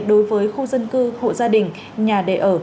đối với khu dân cư hộ gia đình nhà đề ở